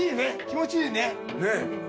気持ちいいね。